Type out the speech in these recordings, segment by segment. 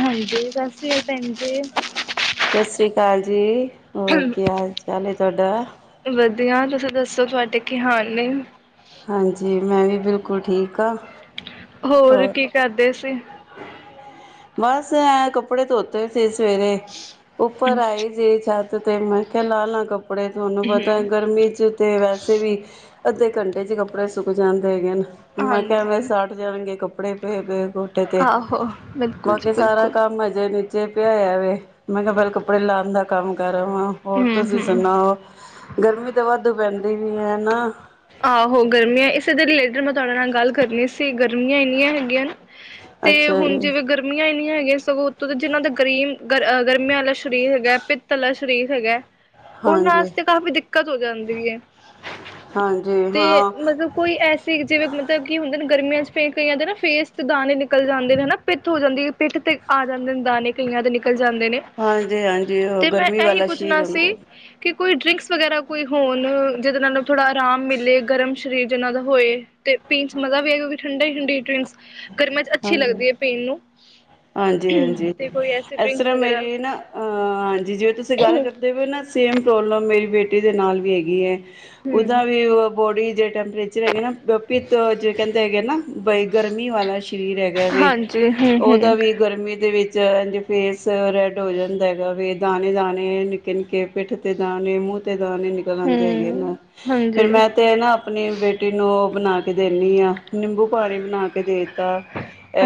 ਹਾਂਜੀ, ਬੱਸ। [unintelligible] ਸਤਿ ਸ੍ਰੀ ਅਕਾਲ ਜੀ। ਹੋਰ ਕੀ ਹਾਲ ਚਾਲ ਹੈ ਤੁਹਾਡਾ? ਵਧੀਆ, ਤੁਸੀਂ ਦੱਸੋ ਤੁਹਾਡੇ ਕੀ ਹਾਲ ਨੇ? ਹਾਂਜੀ, ਮੈਂ ਵੀ ਬਿਲਕੁਲ ਠੀਕ ਹਾਂ। ਹੋਰ ਕੀ ਕਰਦੇ ਸੀ? ਬਸ, ਐਂ ਕੱਪੜੇ ਧੋਤੇ ਤੇ ਸਵੇਰੇ ਉੱਪਰ ਆਏ ਜੇ ਛੱਤ ਅਤੇ ਮੈਂ ਕਿਹਾ ਲਾਹ ਲਾਂ ਕਪ ਕੱਪੜੇ ਤੁਹਾਨੂੰ ਪਤਾ ਹੈ ਗਰਮੀ 'ਚ ਤੇ ਵੈਸੇ ਵੀ ਅੱਧੇ ਘੰਟ ਇਹਚ ਕੱਪੜੇ ਸੁੱਕ ਜਾਂਦੇ ਹੈਗੇ ਨੇ। ਮੈਂ ਕਿਹਾ ਐਵੇਂ ਹਾਂਜੀ ਸੜ ਜਾਣਗੇ ਕੱਪੜੇ ਪਏ ਪਏ ਕੋਠੇ ਤੇ ਆਹੋ ਬਿਲਕੁਲ ਜੀ ਬਾਕੀ ਸਾਰਾ ਬਿਲਕੁਲ। ਕੰਮ ਅਜੇ ਨ ਜੇ ਪਿਆਇਆ ਵੇ ਮੈਂ ਕਿਹਾ ਪਹਿਲੇ ਕੱਪੜੇ ਲਾਣ ਦਾ ਕੰਮ ਕਰ [inaudible] ਹੋਰ ਹੂੰ ਤੁਸੀਂ ਹੂੰ ਸੁਣਾਓ ਗਰਮੀ ਤਾਂ ਵਾਧੂ ਪੈਂਦ ਵੀ ਨੀ ਹੈ ਨਾ। ਆਹੋ ਗਰਮੀਆਂ ਇਸੇ ਦੇ ਰਿਲੇਟਿਡ ਮੈਂ ਤੁਹਾਡੇ ਨਾਲ ਗੱਲ ਕਰਨੀ ਸੀ। ਗਰਮੀਆਂ ਇੰਨੀਆਂ ਹੈਗੀਆਂ ਨਾ। ਤੇ ਅੱਛਾ ਜੀ, ਹੁਣ ਜਿਵੇਂ ਗਰਮੀਆਂ ਨੀ। ਹੈਗੀਆਂ ਸਗੋਂ ਉਤੋਂ ਜਿਹਨਾਂ ਦਾ ਗਰੀਮ ਗਰ ਗਰਮੀਆਂ ਵਾਲਾ ਸਰੀਰ ਹੈਗਾ। ਪਿੱਤ ਵਾਲਾ ਸਰੀਰ ਹੈਗਾ। ਉਨ੍ਹਾਂ ਹਾਂਜੀ। ਆਸਤੇ ਕਾਫੀ ਦਿੱਕ ਦਿੱਕਤ ਹੋ ਜਾਂਦੀ ਹੈ। ਹਾਂਜੀ ਤੇ ਹਾਂ, ਮਤਲਬ ਕੋਈ ਐਸੇ ਜਿਵੇਂ ਮਤਲਬ ਕੀ ਹੁੰਦੇ ਨੇ ਗਰਮੀਆਂ ਚ ਫੇਰ ਕਈਆਂ ਦੇ ਨਾ ਫੇਸ ਤੇ ਦਾਣੇ ਨਿਕਲ ਜਾਂਦੇ ਨੇ ਹਨਾ। ਪਿੱਤ ਹੋ ਜਾਂਦੀ ਪਿੱਠ ਤੇ ਆ ਜਾਂਦੇ ਨੇ ਦਾਣੇ ਕਈਆਂ ਦੇ ਨਿਕਲ ਜਾਂਦੇ ਨੇ ਹਾਂਜੀ-ਹਾਂਜੀ ਉਹ ਤੇ ਮੈਂ ਗਰਮੀ ਇਹੀ ਵਾਲਾ ਸ਼ੀਰ ਪੁੱਛਣਾ ਸੀ ਹੁੰਦਾ। ਕਿ ਕੋਈ ਡਰਿੰਕਸ ਵਗੈਰਾ ਕੋਈ ਹੋਣ ਜਿਹਦੇ ਨਾਲ ਨੂੰ ਥੋੜਾ ਆਰਾਮ ਮਿਲ ਗਰਮ ਸਰੀਰ ਜਿੰਨਾ ਦਾ ਹੋਏ ਤੇ ਪੀਣ ਚ ਮਜ਼ਾ ਵੀ ਹੈ ਕਿਉਂਕਿ ਠੰਡੀ ਠੰਡੀ ਡਰਿੰਕਸ ਗਰਮੀਆਂ 'ਚ ਅੱਛੀ ਹਜੀ ਲੱਗਦੀ ਹੈ ਪੀਣ ਨੂੰ ਹਾਂਜੀ ਹਾਂਜੀ ਤੇ ਕੋਈ ਐਸੀ ਇਸ ਡਰਿੰਕਸ ਤਰ੍ਹਾਂ ਵਗੈਰਾ ਮੇਰੀ ਨਾ ਅਹ ਹਾਂਜੀ ਜਿਵੇਂ ਤੁਸੀਂ ਗੱਲ ਕਰਦੇ ਹੋ ਨਾ ਸੇਮ ਪ੍ਰੋਬਲਮ ਮੇਰੀ ਬੇਟੀ ਬੇਟੀ ਦੇ ਨਾਲ ਵੀ ਹੈਗੀ ਹੈ ਉਹਦਾ ਹੂੰ ਵੀ ਬੋਡੀ ਜੇ ਟੈਂਪਰੇਚਰ ਹੈਗ਼ਾ ਨਾ ਪਿੱਤ ਕਹਿੰਦੇ ਹੈਗੇ ਨਾ ਬਈਗਰ ਮੀਂਹ ਵਾਲਾ ਸਰੀਰ ਹੈਗਾ ਵੈ ਹਾਂਜੀ ਹੂੰ ਉਹਦਾ ਹੂੰ ਵੀ ਗਰਮੀ ਦੇ ਵਿੱਚ ਫੇਸ ਰੈਡ ਹੋ ਜਾਂਦਾ ਹੈਗਾ ਵੈ ਦਾਣੇ ਦਾਣੇ ਨਿੱਕੇ ਨਿੱਕੇ ਪਿੱਠ ਤੇ ਦਾਣੇ ਮੂੰਹ ਤੇ ਦਾਣੇ ਨਿਕਲ ਆਉਂਦੇ ਹੈਗੇ ਨਾ ਹੂੰ ਫੇਿਰ ਹਾਂਜੀ ਮੈਂ ਤੇ ਨਾ ਆਪਣੀ ਬੇਟੀ ਨੂੰ ਬਣਾ ਕੇ ਦਿੰਦੀ ਆਾਂ ਨਿੰਬੂ ਪਾਣੀ ਬਣਾ ਕੇ ਦੇ ਦਿੱਤਾ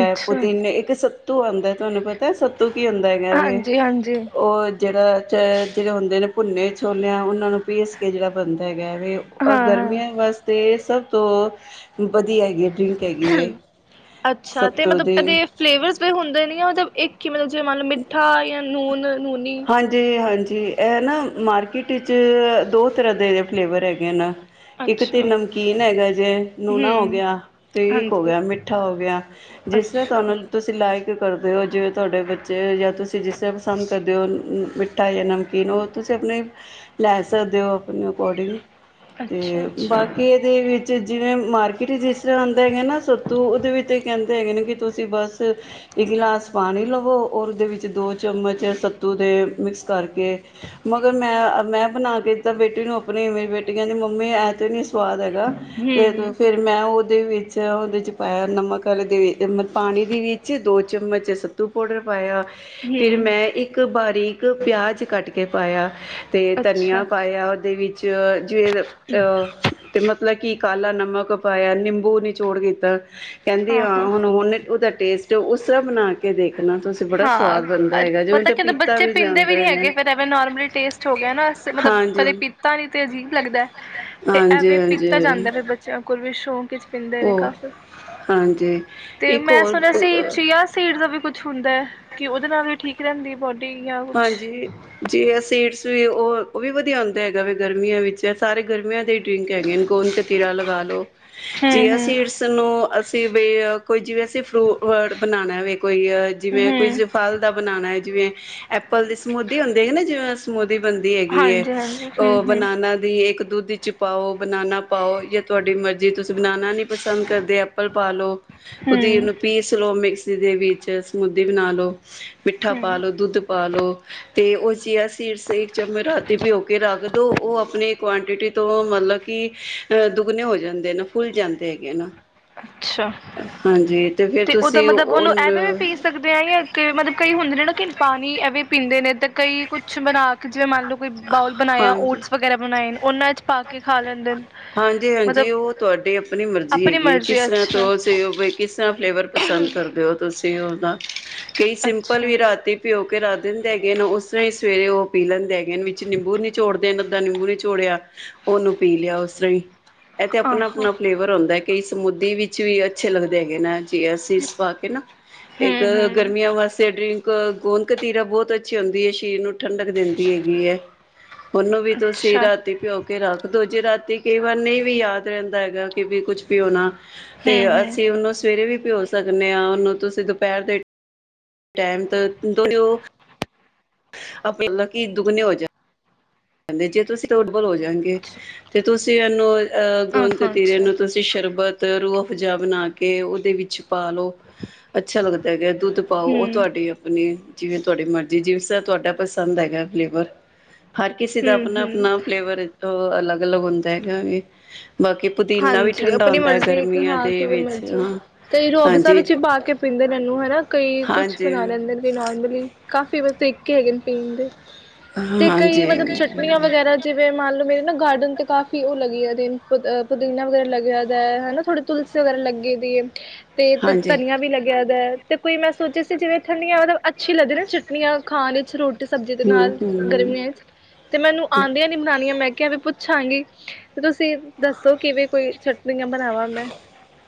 ਅੱਛਾ ਪੁਦੀਨੇ ਨੇ ਇੱਕ ਆਉਂਦਾ ਤੁਹਾਨੂੰ ਪਤਾ ਸਭ ਤੂੰ ਕੀ ਹੁੰਦਾ ਇਵੇਂ ਵੀ ਹਾਂਜੀ ਹਾਂਜੀ ਉਹ ਜਿਹੜਾ ਚ ਜਿਹੜੇ ਹੁੰਦੇ ਨੇ ਭੁੰਨੇ ਛੋਲਿਆਂ ਉਹਨਾਂ ਨੂੰ ਪੀਸ ਕੇ ਜਿਹੜਾ ਬਣਦਾ ਹੈਗਾ ਹਾਂ-ਹਾਂ। ਗਰਮੀਆਂ ਵਾਸਤੇ ਸਭ ਤੋਂ ਵਧੀਆ ਹੈਗੀ ਡਰਿੰਕ ਹੈਗੀ ਹੈ ਅੱਛਾ ਤੇ ਸੱਤੂ ਮਤਲਬ ਦੀ ਇਹਦੇ ਫਲੇਵਰਸ ਹੁੰਦੇ ਨੇ ਆ [unintelligible] ਇੱਕ ਮੰਨ ਲਵੋ ਮਤਲਬ ਮਿੱਠਾ ਨੂਨ ਨੂਨੀ ਹਾਂਜੀ ਹਾਂਜੀ ਜੀ ਇਹ ਨਾ ਮਾਰਕੀਟ ਵਿੱਚ ਦੋ ਤਰ੍ਹਾਂ ਦੇ ਫਲੇਵਰ ਹੈਗੇ ਨਾ ਇੱਕ ਤੇ ਅੱਛਾ। ਨਮਕੀਨ ਹੈਗਾ ਜੇ ਨੂਣਾ ਹੋ ਹੂੰ ਗਿਆ ਤੇ ਇੱਕ ਹੋ ਹਾਂਜੀ ਗਿਆ ਮਿੱਠਾ ਹੋ ਗਿਆ ਜਿਸ ਤਰ੍ਹਾਂ ਅੱਛਾ। ਤੁਹਾਨੂੰ ਤੁਸੀਂ ਲਾਇਕ ਕਰਦੇ ਹੋ ਜਿਵੇਂ ਤੁਹਾਡੇ ਬੱਚੇ ਜਾਂ ਤੁਸੀਂ ਜਿਸੇ ਪਸੰਦ ਮਿੱਠਾ ਜਾਂ ਨਮਕੀਨ ਉਹ ਤੁਸੀਂ ਆਪਣੇ ਲੈ ਸਕਦੇ ਹੋ ਆਪਣੇ ਅਕੋਡਿੰਗ ਤੇ ਅੱਛਾ-ਅੱਛਾ। ਬਾਕੀ ਇਹਦੇ ਵਿੱਚ ਚ ਜਿਵੇਂ ਮਾਰਕੀਟ ਜਿਸ ਤਰ੍ਹਾਂ ਆਉਂਦਾ ਹੈਗਾ ਨਾ ਸੱਤੂ ਉਹਦੇ ਵਿੱਚ ਇਹ ਕਹਿੰਦੇ ਹੈਗੇ ਨੇ ਕਿ ਤੁਸੀਂ ਬਸ ਇੱਕ ਗਲਾਸ ਪਾਣੀ ਲਵੋ ਔਰ ਉਹਦੇ ਵਿੱਚ ਦੋ ਚਮਚ ਸੱਤੂ ਤੇ ਮਿਕਸ ਕਰਕੇ ਮਗਰ ਮੈਂ ਮੈਂ ਬਣਾ ਕੇ ਤਾਂ ਬੇਟੀ ਨੂੰ ਆਪਣੀ ਮੇਰੀ ਬੇਟੀ ਕਹਿੰਦੀ ਮੰਮੀ ਐ ਤੋਂ ਹੀ ਨੀ ਸਵਾਦ ਹੈਗਾ ਤੇ ਹੂੰ-ਹੂੰ ਫੇਿਰ ਮੈਂ ਉਹ ਉਹਦੇ ਵਿੱਚ-ਉਹਦੇ ਚ ਪਾਇਆ ਨਮਕ ਵਾਲੇ ਦੇ ਮਤਲਬ ਪਾਣੀ ਦੇ ਵਿੱਚ ਦੋ ਚਮਚ ਚ ਸੱਤੂ ਪਾਊਡਰ ਪਾਇਆ ਫਿਰ ਮੈਂ ਇੱਕ ਬਾਰੀਕ ਪਿਆਜ਼ ਕੱਟ ਕੇ ਪਾਇਆ ਅਤੇ ਧਨੀਆ ਅੱਛਾ ਪਾਇਆ ਉਹਦੇ ਵਿੱਚ ਚ ਜਿਵੇ ਅਹ-ਤੇ-ਮ ਮਤਲਬ ਕਿ, ਕਾਲਾ ਨਮਕ ਪਾਇਆ ਹੈ ਨਿੰਬੂ ਨਿਚੋੜ ਦੀਤਾ ਕਹਿੰਦੀ, ਆਾਂ ਹਾਂ-ਹਾਂ। ਹੁਣ-ਹੁਣ ਉਧ ਟੇਸਟ, ਉਸ ਸਭ ਬਣਾ ਕੇ ਦੇਖ ਦੇਖਣਾ ਤੁਸੀਂ ਬੜਾ ਸਵਾਦ ਬਣਦਾ ਹੈਗਾ, ਜ [unintelligible] ਮਤਲਬ ਬੱਚੇ ਪੀਂਦੇ ਵੀ ਨੀ ਹੈਗੇ ਫੇਿਰ ਐਵੇਂ ਨੋਰਮਲੀ ਟੇਸਟ ਹੋ ਗਿਆ ਨਾ, ਸ-ਮਤਲਬ ਹਾਂਜੀ ਕਦੇ ਪੀਤਾ ਨੀ ਤੇ ਅਜੀਬ ਲੱਗਦਾ ਏ, ਤੇ ਹਾਂਜੀ ਐਵੇਂ ਪੀਤਾ ਹਾਂਜੀ ਜਾਂਦਾ ਹੈ, ਫਿਰ ਬੱਚਿਆਂ ਕੋਲ ਫਿਰ ਸ਼ੌਕ ਪੀਂਦੇ ਨੇ ਉਹ ਕਾਫੀ, ਹਾਂਜੀ ਤੇ ਇੱਕ ਮੈਂ ਸੁਣਿਆ ਸੀ ਹੋਰ ਚਿਆ ਸੀਡ ਦਾ ਵੀ ਕੁੱਛ ਹੁੰਦਾ ਹੈ? ਕਿ ਉਹਦੇ ਨਾਲ ਵੀ ਠੀਕ ਰਹਿੰਦੀ ਹੈ, ਬੋਨ ਹਾਂਜੀ ਚੀਆ ਸੀਡਸ ਤੇ ਉਹ-ਉਹ ਵੀ ਵਧੀਆ ਹੁੰਂਦਾ ਹੈਗਾ ਵ ਗਰਮੀਆਂ ਵਿੱਚ। ਸਾਰੇ ਗਰਮੀਆਂ ਦੇ ਹੀ ਡਿ੍ੰਕ ਹੈਗੇ ਨ ਗੋਂਦ ਕਤੀਰਾ ਲਗਾ ਲੋੋ। ਹਮ ਚਿਆ ਹਮ ਸੀਡਸ ਨੂੰ ਅਸੀਂ [unintelligible] ਤੇ ਵੇ ਆ ਕੋਈ ਜਿਵੇਂ ਸ ਤੇ ਫਰੂਟ ਵਰਡ ਬਣਾਣਾ ਵੇ ਕੋਈ, ਹ ਜਿਵੇਂ ਕੋਈ ਹਮ ਕਿਸੇ ਫਲ ਦਾ ਬਣਾਉਣਾ ਹੈ, ਜਿਵੇਂ ਐਪਲ ਦੀ ਸਮੂਦੀ ਹੁੰਦੀ ਹੈ ਨਾ, ਜਿਵੇਂ ਸਮੁਦ ਦੀ ਬਣਦੀ ਹੈਗੀ ਹੈ। ਹਾਂਜੀ ਹਾਂਜੀ ਹਮ ਉਹ ਹਮ ਬਨਾਨਾ ਦੀ ਇੱਕ ਦੁੱਧ ਚ ਪਾਓ, ਬਨਾਨਾ ਪਾਓ, ਜਾਂ ਤੁਹਾਡੀ ਮਰਜ਼ੀ ਹੇ ਤੁਸੀਂ ਬਨਾਨਾ ਨੀ ਪਸੰਦ ਕਰਦੇ। ਐਪਲ ਪਾ ਲਓ, ਉਦੀ ਹਮ ਨੂੰ ਪੀਸ ਲਓ ਮਿਕਸ ਜਿਦੇ ਵਿੱਚ ਸਮੂਦੀ ਬਣਾ ਲਓ ਮਿੱਠਾ ਪਾ ਹਮ ਲੋ ਦੁੱਧ ਪਾ ਲੋ ਤੇ ਉਹ ਚਿਆ ਸੀਡਸ ਇਕ ਚਮਚ ਰਾਤੀ ਭਿਓ ਕੇ ਰੱਖ ਦੋ। ਉਹ ਆਪਣੀ ਕੁਆਂਟਿਟੀ ਤੋਂ ਮਤਲਬ ਕਿ ਅ ਦੁੱਗਣੇ ਹੋ ਜਾਂਦੇ ਨ, ਫੁੱਲ ਜਾਂਦੇ ਹੈਗੇ ਨੇ। ਅੱਛਾ। ਫੇਰ ਤੇ ਉਦਾ ਤੁਸੀਂ ਮਤਲਬ ਉਹ ਉਹਨੂੰ ਐਵੇਂ ਪੀ ਸਕਦੇ ਹ, ਯਾ ਕਿ ਮਤਲਬ ਕਈ ਹੁੰਦੇ ਨੇ ਨਾ, ਕਿ ਪਾਣੀ ਐਵੇਂ ਪੀਂਦੇ ਨੇ ਤੇ ਕਈ, ਕੁੱਛ ਬਣਾ ਕੇ ਜਿਵੇਂ ਮੰਨ ਲਓ ਕੋਈ ਬਾਊਲ ਬਣਾਇਆ, ਓਟਸ ਵਗੈਰਾ ਬਣਾਏ ਓਨਾਂ ਹਾਂਜੀ-ਹਾਂਜੀ, ਮਤਲਬ ਓ ਤੁਆਡੀ ਆਪਨੀ ਮਰਜ਼ੀ ਆਪਣੀ ਹੇਗੀ ਏ। ਮਰਜ਼ੀ ਕਿਸਰ੍ਹਾਂ ਅੱਛਾ ਤੋਂ ਕਿਸ ਕਿਸਰ੍ਹਾਂ ਫਲੇਵਰ ਪਸੰਦ ਕਰਦੇ ਓ। ਤੁਸੀਂ ਉਹਦਾ ਕਈ ਸਿੰਪਲ ਅੱਛਾ ਵੀ ਰਾਤੀ ਪਿਓ ਰਖ ਦਿੰਦੇ ਹੈਰਾਨ, ਉਸ ਤਰ੍ਹਾਂ ਹੀ ਸਵੇਰੇ ਉਹ ਪੀ ਲੈਂਦੇ ਹੈਗੇਨ ਵਿੱਚ ਨਿੰਬੂ ਨੀਚੋੜ ਦੇ ਅਧਾ ਨਿੰਬੂ ਨ ਚੋੜਿਆ ਉਹਨੂੰ ਪੀ ਲਿਆ, ਉਸਰਾਂਈ। ਇੱਥੇ ਆਪਨਾ ਆਹੋ ਆਪਨਾ ਫਲੇਵਰ ਓੰਦਾ ਏ ਕਈ ਮੁੱਦੀ ਵਿੱਚ ਵੀ ਅੱਛੇ ਲੱਗਦੇ ਹੈਗੇਨੇ। ਚੀਯਾ ਸੀਡਸ ਪਾ ਕੇ ਨਾ, ਇੱਕ ਹਮ ਹਮ ਗਰਮੀਆਂ ਵਾਸਤੇ ਡਰਿੰਕ ਅ ਗੋਂਦ ਕਤੀਰਾ ਬਹੁਤ ਅੱਛੀ ਹੁੰਦੀ ਹੈ, ਸ਼ਰੀਰ ਨੂੰ ਠੰਡਕ ਦਿੰਦੀ ਹੈਗੀ ਐ, ਉਹਨੂੰ ਵੀ ਤੁਸੀਂ ਅੱਛਾ ਰਾਤੀ ਭਿਓ ਰਖ ਦੋ, ਜੇ ਰਾਤੀ ਕਈ ਵਾਰ ਨਹੀਂ ਵੀ ਯਾਦ ਰਹਿੰਦਾ ਹੇਗਾ, ਕਿ ਵੀ ਕੁਛ ਵੀ ਭਿੳਨਾ ਤੇ ਹਮ ਹਮ ਅਸੀਂ ਉਹਨੂੰ ਸਵੇਰੇ ਵੀ ਭਿਓ ਸ ਸਕਨੇ ਆਂ ਉਹਨੂੰ ਤੁਸੀਂ ਦੁਪਹਿਰ ਦੇ ਟਾਈਮ ਤਾਂ ਦੋਣੋ ਮਤਲਬ, ਕਿ ਦੁੱਗਣੇ ਹੋ ਜਾ ਕਹਿੰਦੇ ਜੇ ਤੁਸੀਂ ਹੋ ਜਾਣਗੇ ਤੇ ਤੁਸੀਂ ਤੇ ੳਨੂ [inaudible] ਅ ਗੋੰਦ ਆਹੋ ਅੱਛਾ ਕ ਤੇ ਰੂਆਫਜਾ ਬਣਾ ਕੇ, ਉਹਦੇ ਵਿੱਚ ਪਾਲੋ ਅੱਛਾ ਲੱਗਦਾ ਐਗੈ, ਦੁੱਧ ਪਾਓ ਉਹ ਹੂੰ, ਤੁਆਡੀ ਆਪਨੀ ਜਿਵੇਂ ਤੁਹਾਡੀ ਮਰਜ਼ੀ, ਜਿਸ ਤਰ੍ਹਾ ਤੁਹਾਡਾ ਪਸੰਦ ਐਗਾ ਫਲੇਵਰ। ਹਰ ਕਿਸੇ ਦਾ ਹੂੰ, ਆਪਨਾ ਹੂੰ ਆਪਨਾ ਫਲੇਵਰ [inaudible] ਅਲੱਗ [unintelligible] ਹਾਂਜੀ, ਆਪਨੀ ਮਰਜ਼ੀ ਹਾਂ ਦੇ ਕਿਵੇਂ ਵਿੱਚ ਮਰਜ਼ੀ, ਹਾਂ। ਕਈ ਰੋਬਜ਼ਾ ਹਾਂਜੀ, ਵਿੱਚ ਪਾ ਕੇ ਪੀਂਦੇ ਨੇ ਇਹਨੂੰ, ਹਨਾ ਕਈ ਕੁਛ ਹਾਂਜੀ, ਬਣਾ ਲੈਂਦੇ ਨੇ ਕਈ ਨੋਰਮਲੀ ਕਾਫੀ ਤਰੀਕੇ ਹੈਗੇ ਨੇ ਪੀਣ ਦੇ। ਤੇ ਕਈ ਮਤਲਬ ਹਾਂਜੀ, ਚਟਨੀਆਂ, ਵਗੈਰਾ ਜਿਵੇਂ ਮੰਨ ਲਓ ਮੇ [unintelligible] ਮੇਨੂ ਤੇ ਕਾਫੀ ਉਹ ਲੱਗੀ ਏ ਅ [unintelligible] ਪੁਦੀਨਾ ਵਗੈਰਾ ਲੱਗਿਆ ਦਾਐ, ਹੇਨਾ ਥੋੜੀ ਤੁਲਸੀ ਵਗੈਰਾ ਲੱਗੇ ਦੀ ਹੈ ਤੇ ਹਾਂਜੀ। ਧਨੀਆ ਵੀ ਲੱਗਿਆਦਾ ਐ। ਤੇ ਕੋਈ ਮੈਂ ਸੋਚਿਆ ਸੀ ਜਿਵੇਂ ਠੰਡੀਆਂ ਮਤਲਬ ਅੱਛੀ ਲੱਗਦੇ ਨਾ ਚਟਨੀਆਂ ਖਾਣ ਲਈ ਜਰੂਰ ਸਬਜੀ ਦੇ ਹੂੰ, ਨਾਲ ਹੂੰ। ਗਰਮੀਆਂ ਚ ਤੇ ਮੈਨੂੰ ਆਉਂਦਿਆਂ ਨੀ ਬਣਾਣੀਆਂ ਮੈਂ ਕਿਵੇ ਪੁੱਛਾਂਗੀ ਪਰ ਤੁ ਸੇਬ ਦੱਸ, ਜੇ ਕੋਈ ਚ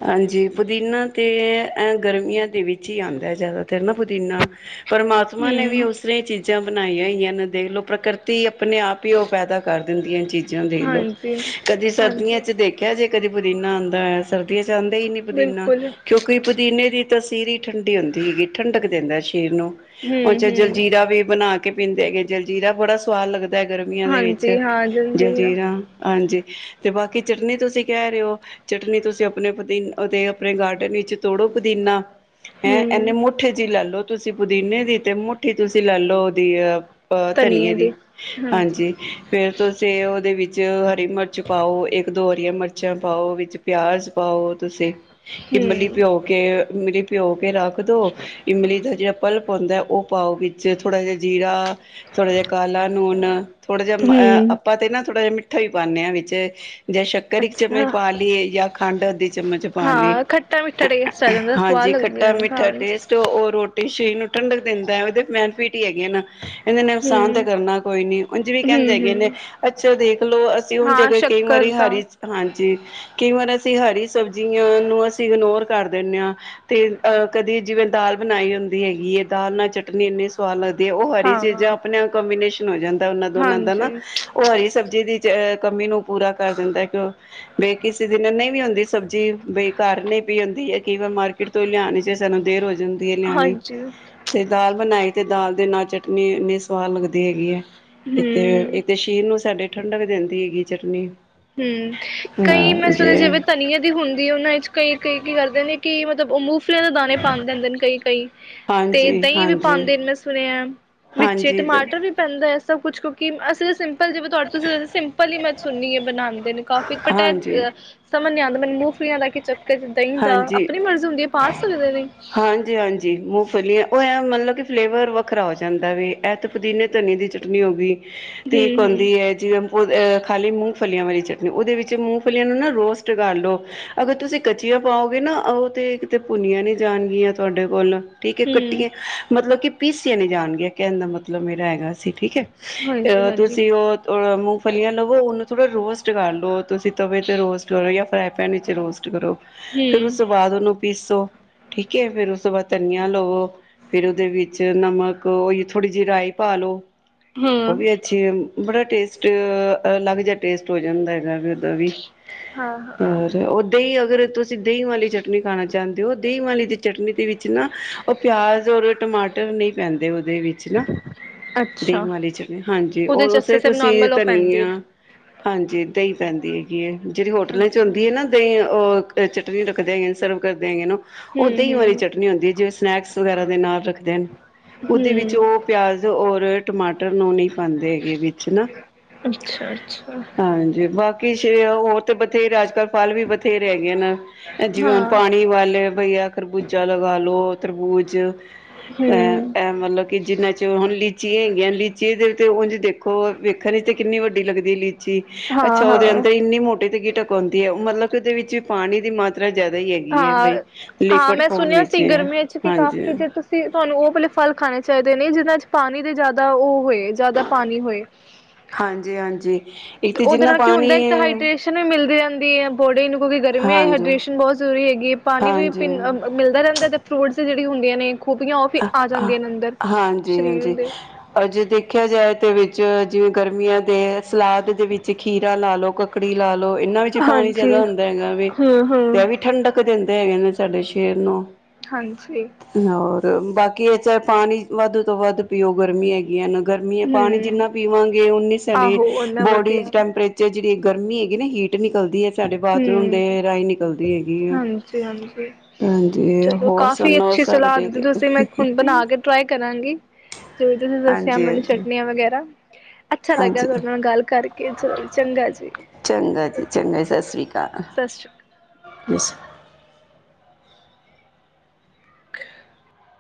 ਹਾਂਜੀ ਪੁਦੀਨਾ ਤੇ ਏ ਗਰਮੀਆਂ ਦੇ ਵਿੱਚ ਹੀ ਆਦਾ ਜ਼ਿਆਦਾਤਰ ਨਾ ਪੁਦੀਨਾ ਪਰਮਾਤਮਾ ਨੇ ਵੀ ਹਮ ਉਸੇ ਤਰਾ ਚੀਜ਼ਾਂ ਬਣਾਈ ਹੋਈਆਂ ਨੇ ਦੇਖਲੋ ਪ੍ਰਕਿਰਤੀ ਆਪਣੇ ਆਪ ਹੀ ਉਹ ਪੈਦਾ ਕਰ ਗੱਦੀਆਂ ਚੀਜ਼ ਜਾ ਦੇਖ ਲਓ ਹਾਂਜੀ ਕਦੇ ਸਰਦੀਆਂ ਹਾਂਜੀ ਚ ਦੇਖਿਆ ਜੇ ਤੇਰੀ ਬੂਰੀ ਨਾਨ ਬੇ ਸਰਦੀਆਂ ਚ ਆਂਦਾ ਹੀ ਨੀ ਪੌਦੀਨਾ ਬਿਲਕੁਲ ਕਿਉਂਕਿ ਪੌਦੀਨੇ ਦੀ, ਤਸੀਰੀ ਹੀ ਠੰਡੀ ਹੁੰਦੀ ਐ ਗੀ ਠੰਡਕ ਦਿੰਦਾ ਸਰੀ ਸਰੀਰ ਨੂੰ ਉਹ ਹਮ ਜਾਏ ਹਮ ਜਲਜੀਰਾ ਵੀ ਬਣਾ ਕੇ ਕੇ ਪੀਂਦੇ ਹੈਗੇ ਜਲਜੀਰਾ ਬੜਾ ਸਵਾਦ ਲੱਗਦਾ। ਤੈ ਗਰਮੀਆਂ ਦੇ ਵਿੱਚ ਹਾਂਜੀ ਹਾਂ ਜਲਦੀ ਜਲਜੀਰਾਂ ਹਾਂਜੀ ਤੇ ਬਾਕੀ ਚਟਨੀ ਤੁਸੀਂ ਕਹਿ ਰਹੇ ਔ, ਚਟਨੀ ਤੁਸੀਂ ਆਪਣੇ ਪਤੀ ਉਹਦੇ ਆਪਣੇ ਗਾਰਡਨ ਵਿਚੋ ਤੋੜੋ ਪੁਦੀਨਾ ਹੈਂ ਇਹਨੇ ਹਮ ਮੁਠੇ ਜੀ ਲੈ ਲੋ, ਤੁਸੀਂ ਪੁਦੀਨੇ ਦੀ ਤੇ ਮੁੱਠੀ ਤੁਸੀਂ ਲੈ ਲੋ ਉਹਦੀ ਆ। ਆ ਧਨੀਏ ਦੀ ਹਾਂਜੀ ਫੇਰ ਤੁਸੀਂ ਉਹਦੇ ਵਿੱਚ ਚੋ ਵਿੱਚ ਹਰੀ ਮਿਰਚ ਪਾਓ ਇੱਕ ਦੋ ਹਰੀਆਂ ਮਿਰਚਾਂ ਪਾਓ ਵਿੱਚ ਪਿਆਜ਼ ਪਾਉ ਤੁਸੀਂ ਇਮਲੀ ਹੂੰ ਭਿਉਂ ਕੇ ਭਿਉ ਕੇ, ਤੇ ਰੱਖ ਦਿਉ ਇਮਲੀ ਦਾ ਜਿਹੜਾ ਪਲਪ ਹੁੱਦਾ ਉਹ ਪਾਓ ਵਿੱਚ ਥੋੜ੍ਹਾ ਜਿਹਾ ਜੀਰਾ ਥੋੜਾ ਜਿਹਾ ਕਾਲਾ ਨੂਨ ਥੋੜਾ ਜਿਹਾ ਮੈ ਹੂੰ ਆਪਾਂ ਤੇ ਨਾ ਥੋੜਾ ਜਿਹਾ ਮਿਠ ਮੱਠਾ ਪਾਨੇ ਆ ਵਿਚ ਜਾਂ ਸ਼ੱਕਰ ਇਕ ਚਮਚ ਅੱਛਾ ਪਾ ਲਈਏ ਖੰਡ ਅੱਧੀ ਚਮਚ ਪਾ ਲਈ। ਹਾਂ ਖੱਟਾ ਮਿੱਠਾ ਟੇਸਟ ਆ ਜਾਂਦਾ ਸਵਾਦ ਹਾਂਜੀ ਲੱਗਦੀ ਖੱਟਾ ਇਹਨੂੰ ਮਿੱਠਾ ਖਾਣ ਚ ਟੇਸਟ ਉਹ ਰੋਟੀ [unintelligible] ਠੰਡਕ ਦਿੰਦਾ ਹੈ ਉਹਦੇ ਚ ਵੇਨੇਫਿਟ ਟੀ ਹੈਗੀ ਏ ਨਾ ਇਹਦੇ ਨੇ ਨੁਕਸਾਨ ਤਾਂ ਹੂੰ ਕਰਨਾ ਕੋਈ ਨੀ ਉਹ ਜਿਵੇਂ ਕਹਿੰਦੇ ਹੂੰ ਹੈਗੇ ਨੇ ਹੂੰ ਅੱਛਾ ਦੇਖਲੋ ਅਸੀਂ ਹੁਣ ਹਾਂ ਜਗ੍ਹਾ ਕਈ ਵਾਰੀ ਸ਼ੱਕਰ ਤਾਂ ਹਰੀ ਹਾਂਜੀ। ਕਈ ਵਾਰ ਅਸੀਂ ਹਰੀ ਸਬਜ਼ੀਆਂ ਨੂੰ ਅਸੀਂ ਇਗਨੋਰ ਕਰ ਦਿੰਦੇ ਹਾਂ ਤੇ ਕਦੇ ਜਿਵੇਂ ਦਾਲ ਬਣਾਈ ਹੁੰਦੀ ਹੈਗੀ ਹੈ। ਦਾਲ ਨਾਲ ਚਟਨੀ ਇੰਨੀ ਸਵਾਦ ਲੱਗ ਉਹ ਹਰੀ ਹਾਂ ਚੀਜ਼ਾਂ ਆਪਣੇ ਕੰਬੀਨੇਸ਼ਨ ਹੋ ਜਾਂਦਾ ਉਹਨਾਂ ਦੋਨਾਂ ਉਹਨਾਂ ਦਾ ਨਾ ਹਾਂਜੀ ਉਹ ਹਰੀ ਸਬਜ਼ੀ ਦੀ ਤੇ ਏ ਕਮੀ ਨੂੰ ਪੂਰਾ ਕਰ ਦਿੰਦਾ ਕਿਉਂ ਬਈ ਕਿਸੇ ਦਿਨ ਨਹੀਂ ਵੀ ਹੁੰਦੀ ਸਬਜ਼ੀ ਬਈ ਘਰ ਨਹੀਂ ਪਈ ਹੁੰਦੀ ਹੈ, ਕਿ ਇਵਣ ਮਾਰਕੀਟ ਤੋਂ ਹੀ ਲਿਆਣੇ ਚੇ ਸਾਨੂੰ ਦੇਰ ਹੋ ਜਲਦੀ ਐ ਲਿਆਣੀ ਹਾਂਜੀ ਤੇ ਦਾਲ ਬਣਾਈ ਤੇ ਦਾਲ ਦੇ ਨਾਲ ਚਟਨੀ ਇੰਨੀ ਸਵਾਦ ਲੱਗਦੀ ਹੈਗੀ ਹੈ। ਏ ਤੇ ਹੂੰ ਏ ਤੇ ਇਹ ਸ਼ਰੀਰ ਨੂੰ ਸਾਡੇ ਠੰਡਕ ਦੇਂਦੀ ਹੈਗੀ ਚਟਨੀ ਹਮ। ਕਈ ਮੈਂ ਹਾਂ ਜੇ ਸੁਣਿਆ ਜਿਵੇਂ ਧਨੀਏ ਦੀ ਹੁੰਦੀ ਹੈ, ਉਹਨਾਂ ਵਿੱਚ ਕਈ ਕਈ ਕੀ ਕਰਦੇ ਨੇ ਕਿ ਮਤ ਤਬ ਉਨਹੂ ਫਿਲ ਦੇ ਦਾਣੇ ਪਾ ਦਿੰਦੇ ਨੇ ਕਈ, ਕਈ ਤੇ ਹਾਂਜੀ ਦਹੀਂ ਵੀ ਹਾਂਜੀ ਪਾਉਂਦੇ ਨੇ ਮੈਂ ਸੁਣਿਆ ਵਿੱਚੇ ਹਾਂਜੀ ਟਮਾਟਰ ਵੀ ਪੈਂਦਾ ਹੈ। ਸਭ ਕੁਛ ਕੁਕਿੰਗ ਅਸੀਂ ਤਾਂ ਸਿੰਪ [unintelligible] ਜਿਵੇਂ ਤੁਹਾਡ ਸਿੰਪਲ ਈ ਮੈਂ ਸੁਣੀ ਏ ਬਣਾਦੇ ਨੇ ਕਾਫੀ ਬਟ ਹਾਂਜੀ ਇਹ ਸਮਝ ਨੀ ਆਂਦਾ ਮੂੰਫਲੀਆਂ ਲਾ ਦਾ ਕੀ ਚੱਕ ਹਾਂਜੀ, ਸਕਦੇ ਨੇ ਹਾਂਜੀ- ਹਾਂਜੀ ਮੂੰਫਲੀਆਂ ਉਹ ਐਂ ਮਤਲਬ ਕਿ ਫਲੇਵਰ ਵੱਖਰਾ ਹੋ ਜਾਂਦਾ ਵੇ ਇਹ ਤਾਂ ਪੁਦੀਨੇ ਧਨੀਏ ਦੀ ਚਟਨੀ ਹੋ ਗਈ। ਠੀਕ ਹੁੰਦੀ ਹੂੰ ਹੈ, ਜੀਵੇਂ ਅਹ ਖਾਲੀ ਮੂੰਹ ਫਲੀਆਂ ਵਾਲੀ ਚਟਨੀ ਉਹਦੇ ਵਿੱਚ ਮੂੰਫਲੀਆਂ ਨੂੰ ਨਾ ਰੋਸਟ ਕਰ ਲੋ ਅਗਰ ਤੁਸੀਂ ਕ ਕਚੀਆਂ ਪਾਓਗੇ ਨਾ ਉਹ ਤੇ ਕਿਤੇ ਭੁੰਨੀਆਂ ਨਹੀਂ ਜਾਣਗੀਆਂ ਤੁਹਾਡੇ ਕੋਲ ਠੀਕ ਏ ਹੂੰ ਕੱਟੀਏ ਮਤਲਬ ਕਿ ਪੀਸੀਆਂ ਨਹੀਂ ਜਾਣਗੀਆਂ ਕਹਿਣ ਦਾ ਮਤਲਬ ਮੇਰਾ ਹੈਗਾ ਸੀ ਠੀਕ ਹੈ? ਹੂੰ ਹਾਂਜੀ ਅਹ ਹਾਂਜੀ ਤੁਸੀਂ ਉਹ ਮੁਫ਼ ਮੂੰਫਲੀਆਂ ਲਵੋ ਉਹਨੂੰ ਥੋੜਾ ਰੋਸਟ ਕਰ ਲਓ। ਤੁਸੀਂ ਤਵੇ ਤੇ ਰੋਸਟ ਕਰੋ ਜਾਂ ਫਰਾ ਪੈਨ ਵਿੱਚ ਰੋਸਟ ਕਰੋ। ਫੇਰ ਉਸ ਹੂੰ ਤੋਂ ਬਾਅਦ ਉਹਨੂੰ ਪੀਸੋ, ਠੀਕ ਹੈ ਫ਼ੇਰ ਉਸ ਤੋਂ ਬਾਅਦ ਧਨੀਆ ਲਵੋ, ਫ਼ੇਰ ਉਹਦੇ ਵਿੱਚ ਨਮਕ ਓਹੀ ਥੋੜ੍ਹੀ ਜਿਹੀ ਰਾਈ ਪਾ ਲੋ। ਉਹ ਹਾਂ ਵੀ ਅੱਛੀ ਏ। ਬੜਾ ਟੇਸਟ ਅਲੱਗ ਜਿਹਾ ਟੇਸਟ ਹੋ ਜਾਂਦਾ ਹੈ। [inaudible] ਤਵੀ ਹਾਂ ਹਾਂ ਹੋਰ ਓਦਾਂ ਹੀ ਤੁਸੀਂ ਦਹੀਂ ਵਾਲੀ ਚਟਨੀ ਖਾਣਾ ਚਾਹੁੰਦੇ ਹੋ, ਦਹੀਂ ਵਾਲੀ ਦੀ ਚਟਨੀ ਦੇ ਵਿੱਚ ਨਾ ਉਹ ਪਿਆਜ ਔਰ ਟਮਾਟਰ ਨਹੀਂ ਪੈਂਦੇ ਉਹਦੇ ਵਿੱਚ ਨਾ, ਦਹੀ ਅੱਛਾ ਵਾਲੀ ਚਟਨੀ, ਹਾਂਜੀ ਓਹ ਉਹਦੇ ਚ ਉਸੇ ਅੱਛਾ ਸਿਰਫ ਤੁਸੀਂ ਨੋਰਮਲ ਉਹ ਪੈਂਦੀ ਹੈ ਧਨੀਆਂ ਹਾਂਜੀ ਦਹੀਂ ਪੈਂਦੀ ਹੈਗੀ ਹੈ। ਜਿਹੜੀ ਹੋਟਲਾਂ ਚ ਅੱਛਾ ਹੁੰਦੀ ਹੈ ਨਾ ਦਹੀ, ਓਹ। ਤੇ ਚਟਨੀ ਰੱਖ ਦਿਆਂਗੇ, ਸਰਵ ਕਰ ਦਿਆਂ ਨਾ। ਉਹ ਦਹੀਂ ਵਾਲੀ ਹਮ ਚਟਨੀ ਹੁੰਦੀ ਹੈ, ਜਿਵੇਂ ਸਨੈਕਸ ਵਗੈਰਾ ਦੇ ਨਾਲ ਰੱਖਦੇ ਹਨ, ਹਮ ਉਹਦੇ ਵਿੱਚ ਉਹ ਹਮ ਪਿਆਜ਼ ਔਰ ਟਮਾਟਰ ਨੂੰ ਨੀ [unintelligible] ਬਣਦੇ ਹੈਗੇ ਵਿੱਚ ਨਾ, ਅੱਛਾ ਅੱਛਾ ਹਾਂਜੀ ਬਾਕੀ ਕਿ ਹੋਰ ਤੇ ਬਥੇਰੇ ਅੱਜ ਕਲ ਫ਼ਲ ਵੀ ਬਥੇਰੇ ਹੈ। ਏਨਾ। ਜਿਵੇਂ ਹੁਣ ਹਾਂ ਪਾਣੀ ਵੱਲ ਬਈਆ ਖ਼ਰਬੂਜਾ ਲਗਾ ਲਉ, ਤਰਬੂਜ਼। ਅਹ ਹਮ ਇਹ ਮਤਲਬ ਕਿ ਜਿੰਨਾ ਚ ਹੁਣ ਲੀਚੀ ਹੈਗੀਆਂ, ਲੀਚੀ ਦੇ ਉਂਝ ਦੇਖੋ ਵੇਖਣ ਤੇ ਕਿੰਨੀ ਵੱਡੀ ਲੱਗਦੀ ਲੀਚੀ, ਹਾਂ ਅੱਛਾ, ਉਹਦੇ ਹਾਂ ਅੰਦਰ ਇੰਨੀ ਮੋਟੀੇ ਤੇ ਗਿਟਕ ਹੁੰਦੀ ਹੈ, ਮਤਲਬ ਕਿ ਉਹਦੇ ਵਿੱਚ ਪਾਣੀ ਦੀ ਮਾਤਰਾ ਜ਼ਿਆਦਾ ਹੀ ਹੈਗੀ ਹੈ ਹਾਂ ਬਈ ਹਾਂ ਲਿਕੁਡ ਮੈਂ ਫੋਮ ਸੁਣਿਆ ਵਿੱਚ ਸੀ ਹੈ ਗਰਮੀਆਂ ਚ ਕਿ ਹਾਂਜੀ ਕਾਫ਼ੀ ਜੇ ਤੁਸੀਂ ਤੁਹਾਨੂੰ ਉਹ ਕੱਲੇ ਫਲ ਖਾਣੇ ਚਾਹੀਦੇ ਨੇ, ਜਿਹਨਾਂ ਚ ਪਾਣੀ ਦੇ ਜ਼ਿਆਦਾ ਉਹ ਹੋਏ। ਜ਼ਿਆਦਾ ਪਾਣੀ ਹੋਏ। ਹਾਂਜੀ ਹਾਂਜੀ ਇੱਕ ਤੇ ਉਹਦੇ ਜਿੰਨਾ ਨਾਲ ਕੀ ਪਾਣੀ ਹੁੰਦਾ, ਇੱਕ ਤਾਂ ਹਾਈਡਰੇੇਸ਼ਨ ਵੀ ਮਿਲਦੀ ਰਹਿੰਦੀ ਹੈ ਬੋਡੀ ਨੂੰ ਕਿਉਂਕਿ ਗਰਮੀਆਂ ਹਾਂਜੀ ਹਾਈਡਰੇੇਸ਼ਨ ਬਹੁਤ ਜ਼ਰੂਰੀ ਹੈਗੀ ਹੈ, ਪਾਣੀ ਵੀ ਪੀ ਹਾਂਜੀ ਮਿਲਦਾ ਰਹਿੰਦਾ ਤੇ ਫਰੂਟਸ ਜਿਹੜੀ ਹੁੰਦੀਆਂ ਨੇ ਖੂਬੀਆਂ ਉਹ ਵੀ ਆ ਆਹ ਜਾਂਦੀਆਂ ਨੇ ਅੰਦਰ ਆਹ ਹਾਂਜੀ ਸਰੀਰ ਹਾਂਜੀ ਦੇ ਅਜੇ ਦੇਖਿਆ ਜਾਏ ਤੇ ਵਿਚ ਜਿਵੇਂ ਗਰਮੀਆਂ ਦੇ ਸਲਾਦ ਦੇ ਵਿੱਚ ਖੀਰਾ ਲਾ ਲਓ, ਕੱਕੜੀ ਲਾ ਲੋ। ਮਤਲਬ ਇਹਨਾਂ ਵਿੱਚ ਪਾਣੀ ਹਾਂਜੀ ਜ਼ਿਆਦਾ ਹੁੰਦਾ ਹੈਗਾ ਵੇ, ਹਮ ਤੇ ਇਹ ਹਮ ਵੀ ਠੰਡਕ ਦਿੰਦੇ ਹੈਗੇ ਨੇ। ਤੁਹਾਡੇ ਛੇ ਨੌਂ ਹਾਂਜੀ। ਬਾਕੀ ਇਹ ਚਾਹੇ ਪਾਣੀ ਵੱਧ ਤੋਂ ਵੱਧ ਪੀਓ, ਗਰਮੀ ਹੈਗੀਆਂ ਨਾ। ਗਰਮੀ ਹੈ, ਪਾਣੀ ਹਮ ਜਿੰਨਾ ਪੀਵੋਗੇ ਓਨੀ ਸਾਡੀ ਆਹੋ ਓਨਾ ਬੋਡੀ ਵਧੀਆ ਟੈਂਪਰੇਚਰ ਜਿਹੜੀ ਏ ਗਰਮੀ ਹੈਗੀ ਨਾ, ਹੀਟ ਨਿਕਲਦੀ ਹੈ। ਤੁਹਾਡੇ ਬਾਥਰੂਮ ਹਮ ਦੇ ਰਾਹੀਂ ਨਿਕਲਦੀ ਹੈਗੀ ਆ, ਹਾਂਜੀ ਹਾਂਜੀ ਹਾਂਜੀ ਚਲੋ ਹੋਰ ਕਾਫ਼ੀ ਸੁਣਾਓ ਅੱਛੀ ਸਭ ਸਲਾਹ ਠੀਕ ਦਿੱਤੀ ਏ? ਤੁਸੀਂ ਮੈਂ ਹੁਣ ਬਣਾ ਕੇ ਟ੍ਰਾਈ ਕਰਾਂਗੀ, ਜੋ ਤੁਸੀਂ ਦੱਸਿਆ ਹਾਂਜੀ ਮੈਨੂੰ ਹਾਂਜੀ ਚਟਨੀਆਂ ਵਗੈਰਾ। ਅੱਛਾ ਲੱਗਿਆ ਹਾਂਜੀ ਤੁਹਾਡੇ ਨਾਲ ਗੱਲ ਕਰਕੇ ਚਲੋ ਜੀ ਚੰਗਾ ਜੀ। ਤਾਂ ਸਤਿ ਸ਼੍ਰੀ ਇਸ